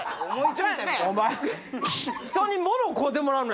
お前。